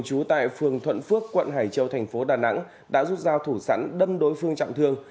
chú tại phường thuận phước quận hải châu thành phố đà nẵng đã rút giao thủ sẵn đâm đối phương chặng thương